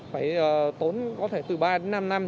phải tốn có thể từ ba đến năm năm